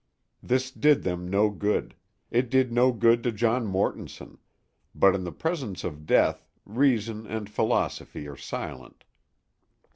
This did them no good; it did no good to John Mortonson; but in the presence of death reason and philosophy are silent.